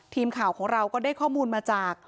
ทีมข่าวของเราก็ได้ข้อมูลมาจาก